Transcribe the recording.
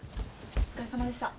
お疲れさまでした。